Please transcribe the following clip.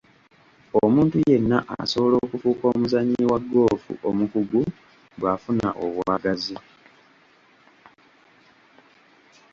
Omuntu yenna asobola okufuuka omuzannyi wa ggoofu omukugu bw'afuna obwagazi.